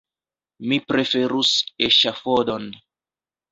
Mi preferus eŝafodon!